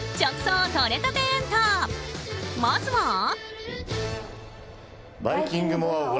まずは。